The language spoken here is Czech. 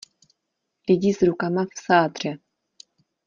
Lidi s rukama v sádře.